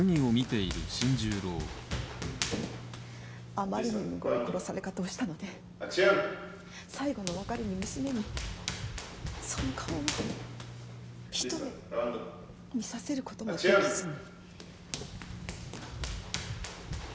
あまりにむごい殺され方をしたので最後の別れに娘にその顔を一目見させることもできずに。